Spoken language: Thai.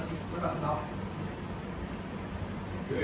คุณพร้อมกับเต้ย